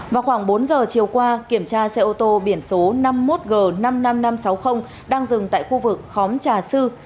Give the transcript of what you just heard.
vào khoảng bốn giờ chiều qua kiểm tra xe ô tô biển số năm mươi một g năm mươi năm nghìn năm trăm sáu mươi đang dừng tại khu vực khóm trà sư